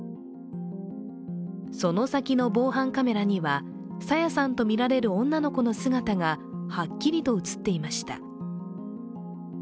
その先の防犯カメラには、朝芽さんとみられる女の子の姿がはっきりと映っていました。